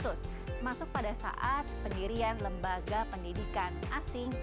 adalah kemungkinan pendidikan pendidikan pendidikan asing